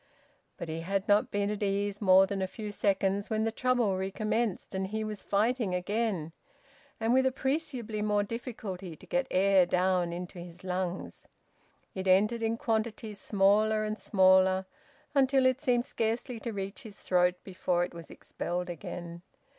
But he had not been at ease more than a few seconds when the trouble recommenced, and he was fighting again, and with appreciably more difficulty, to get air down into his lungs. It entered in quantities smaller and smaller, until it seemed scarcely to reach his throat before it was expelled again.